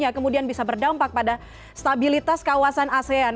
yang kemudian bisa berdampak pada stabilitas kawasan asean